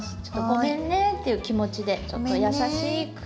「ごめんね」っていう気持ちでちょっと優しく。